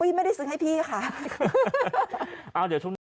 ไม่ได้ซื้อให้พี่ค่ะ